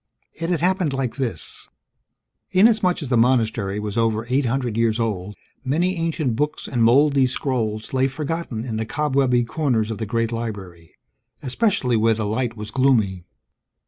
It had happened like this. Inasmuch as the monastery was over eight hundred years old, many ancient books and moldy scrolls lay forgotten in the cobwebby corners of the great library, especially where the light was gloomy.